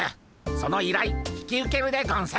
そのいらい引き受けるでゴンス。